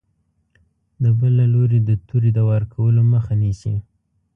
د بل له لوري د تورې د وار کولو مخه نیسي.